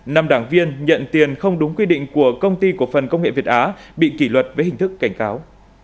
năm đảng viên nhận tiền không đúng quy định của công ty cổ phần công nghệ việt á bị kỷ luật với hình thức cảnh cáo